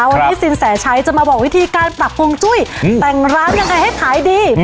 วันนี้สิงห์แสช์จะมาบอกวิธีการปรับกวงจุ้ยอืมแต่งร้านอย่างกันให้ขายดีอืม